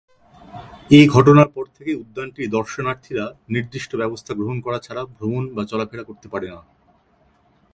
এ ঘটনার পর থেকে উদ্যানটির দর্শনার্থীরা নির্দিষ্ট ব্যবস্থা গ্রহণ করা ছাড়া ভ্রমণ বা চলাফেরা করতে পারে না।